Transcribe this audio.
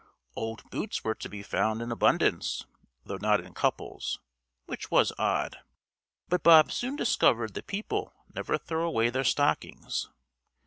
Old boots were to be found in abundance though not in couples (which was odd); but Bob soon discovered that people never throw away their stockings.